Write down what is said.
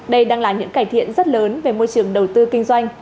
đây đang là những cải thiện rất lớn về môi trường đầu tư kinh doanh